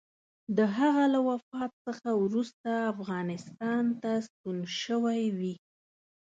د هغه له وفات څخه وروسته افغانستان ته ستون شوی وي.